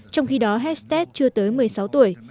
trong khi đó haste chưa tới một mươi sáu tuổi